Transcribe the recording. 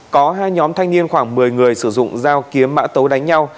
có hai nhóm thanh niên khoảng một mươi người sử dụng dao kiếm mã tấu đánh nhau